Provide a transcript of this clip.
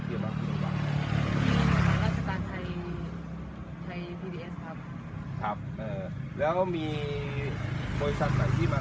เกี่ยวมองกล้องลา